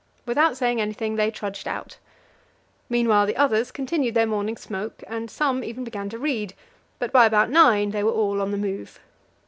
Without saying anything, they trudged out. Meanwhile the others continued their morning smoke, and some even began to read, but by about nine they were all on the move.